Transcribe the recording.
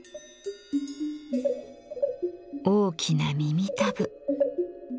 大きな耳たぶ。